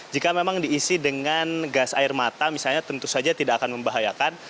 jika memang diisi dengan gas air mata misalnya tentu saja tidak akan membahayakan